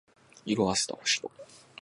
色褪せた星と